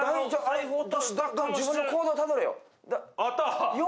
自分の行動たどれよ。